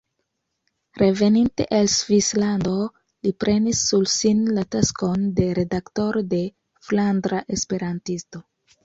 Reveninte el Svislando li prenis sur sin la taskon de redaktoro de "Flandra Esperantisto".